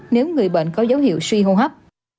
nếu người bệnh có dấu hiệu suy hô hấp